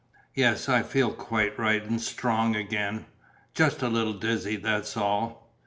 "Yes, I feel quite right and strong again just a little dizzy, that's all."